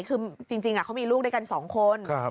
คือจริงเขามีลูกด้วยกัน๒คน